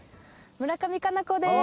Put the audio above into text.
村上佳菜子です。